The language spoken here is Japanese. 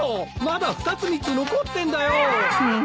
まだ２つ３つ残ってんだよ。